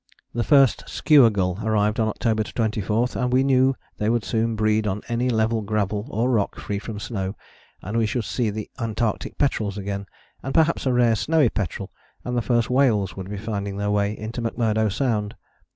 The first skua gull arrived on October 24, and we knew they would soon breed on any level gravel or rock free from snow; and we should see the Antarctic petrels again, and perhaps a rare snowy petrel; and the first whales would be finding their way into McMurdo Sound.